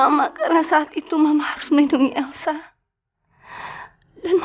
bapak akan selalu melindungi kamu